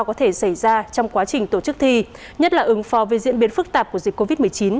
có thể xảy ra trong quá trình tổ chức thi nhất là ứng pho với diễn biến phức tạp của dịch covid một mươi chín